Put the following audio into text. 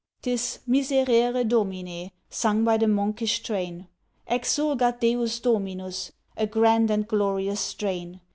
'Tis "Miserere Domine," Sung by the Monkish train, "Exurgat Deus Dominus," A grand and glorious strain!